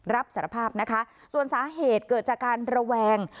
รับสารภาพนะคะส่วนสาเหตุเกิดจากการระแวง